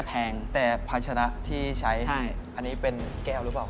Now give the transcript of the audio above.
แต่แต่ภาชนะแก้วครับ